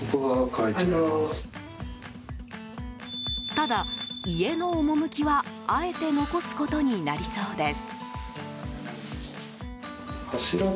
ただ、家の趣はあえて残すことになりそうです。